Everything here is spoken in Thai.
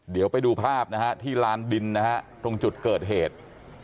เดี๋ยวไปดูภาพที่ลานบิลตรงจุดเกิดเหตุ